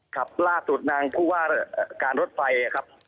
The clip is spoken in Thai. ครับล่าสุดนางผู้ว่าการรถไฟครับ